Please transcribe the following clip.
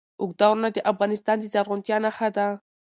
اوږده غرونه د افغانستان د زرغونتیا نښه ده.